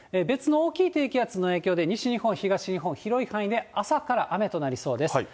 別の大きい低気圧の影響で、西日本、東日本、広い範囲で朝から雨となりそうです。